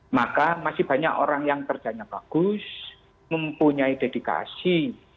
maka masih banyak orang yang kerjanya bagus mempunyai dedikasi